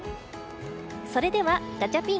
それではガチャピン。